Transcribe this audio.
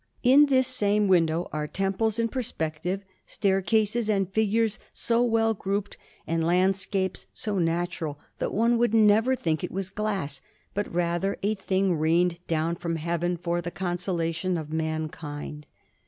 In this same window are temples in perspective, staircases, and figures so well grouped, and landscapes so natural, that one would never think it was glass, but rather a thing rained down from Heaven for the consolation of mankind.